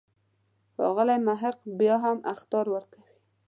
ښاغلی محق بیا هم اخطار ورکوي.